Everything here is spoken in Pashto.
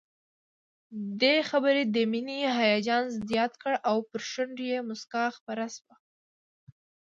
دې خبر د مينې هيجان زيات کړ او پر شونډو يې مسکا خپره شوه